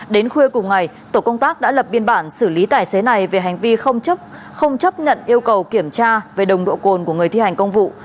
đến khuya cùng ngày tổ công tác đã lập biên bản xử lý tài xế này về hành vi không chấp nhận yêu cầu kiểm tra về nồng độ cồn của người thi hành công vụ